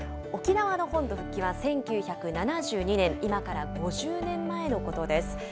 沖縄の本土復帰は１９７２年、今から５０年前のことです。